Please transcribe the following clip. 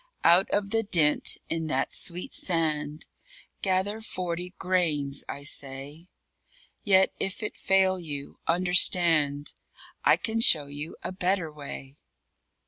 _Out of the dint in that sweet sand Gather forty grains, I say; Yet if it fail you understand I can show you a better way.